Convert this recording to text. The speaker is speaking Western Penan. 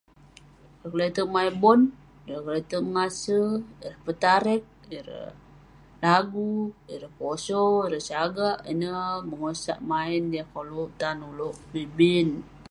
Ireh keleterk maen bon, ireh keleterk mengase, ireh petareg, ireh lagu, ireh poso, ireh sagak. Ineh bengosak maen yah koluk tan ulouk bi bi neh.